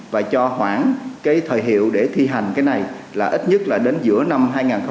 và cho khoảng cái thời hiệu để thi hành cái này là ít nhất là đến giữa năm hai nghìn hai mươi